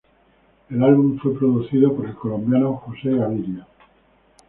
El álbum fue producido por el colombiano Jose Gaviria.